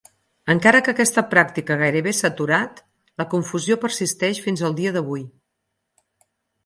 Encara que aquesta pràctica gairebé s'ha aturat, la confusió persisteix fins al dia d'avui.